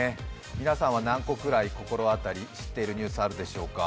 皆さんは何個ぐらい心当たり、知っているニュースあるでしょうか。